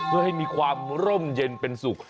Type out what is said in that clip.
เพื่อให้มีความร่มเย็นเป็นสุข